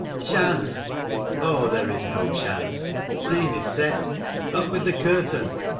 Chance ! Oh, there is no chance. The scene is set. Up with the curtain